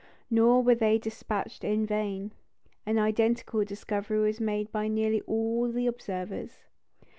Nor were they despatched in vain. An identical discovery was made by nearly all the observers.